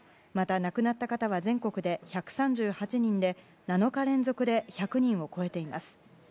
また亡くなった方は全国で１３８人で７日連続で１００人を超えています。